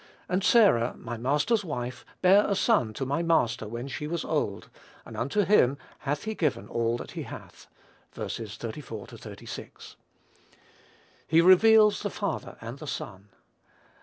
And Sarah, my master's wife, bare a son to my master when she was old; and unto him hath he given all that he hath." (Ver. 34 36.) He reveals the father and the son.